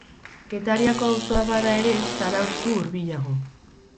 Getariako auzoa bada ere, Zarautz du hurbilago.